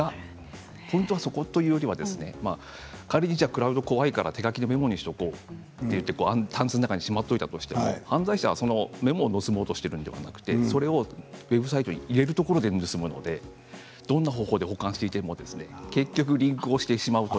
ポイントは、そこというよりは仮にクラウドが怖いから手書きのメモにしておこうとしてたんすの中にしまっておいたとしても犯罪者はメモを盗もうとしているのではなくてウェブサイトに入れるところで結びますのでどんな方法で保管していても結局リンクをしてしまうと。